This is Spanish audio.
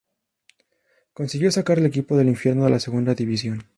Consiguió sacar al equipo del infierno de la segunda división.